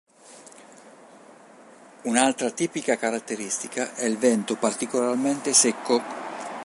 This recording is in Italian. Un'altra tipica caratteristica è il vento particolarmente secco.